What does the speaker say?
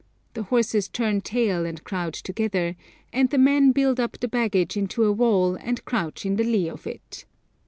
The horses 'turn tail' and crowd together, and the men build up the baggage into a wall and crouch in the lee of it.